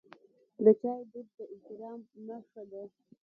د چای دود د احترام نښه ده.